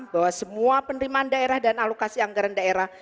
bahwa semua penerimaan daerah dan alokasi anggaran daerah